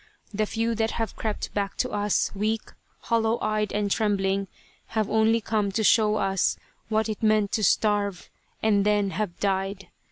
The few that have crept back to us, weak, hollow eyed and trembling, have only come to show us what it meant to starve, and then have died.